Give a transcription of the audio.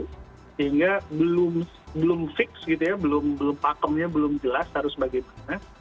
sehingga belum fix gitu ya belum pakemnya belum jelas harus bagaimana